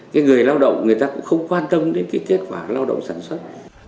cái người lao động người ta cũng không quan tâm đến cái kết quả lao động sản xuất